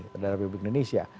terhadap publik indonesia